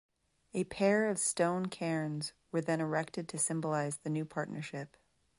A pair of stone cairns were then erected to symbolize the new partnership.